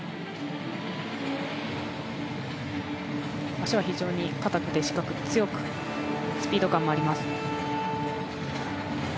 脚は非常にかたくて力強く、スピード感があります。